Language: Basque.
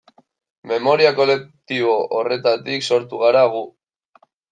Memoria kolektibo horretatik sortu gara gu.